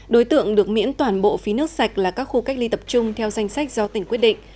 đối tượng được miễn toàn bộ phí nước sạch là các khu cách ly tập trung theo danh sách do tỉnh quyết định